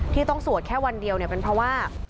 ที่ต้องสวดแค่วันเดียวเป็นเพราะว่า